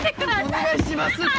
お願いしますって！